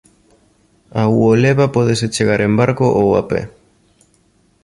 A Uoleva pódese chegar en barco ou a pé.